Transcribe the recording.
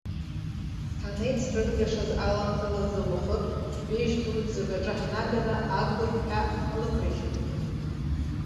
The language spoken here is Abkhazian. Ҳанеицрыргашаз аламҭалазы уахык, дәеиужь дуӡӡак аҿы ҳнаганы агәырқьҳәа ҳлықәрыжьит.